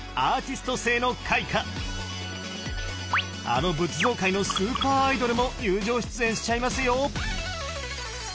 あの仏像界のスーパーアイドルも友情出演しちゃいますよ！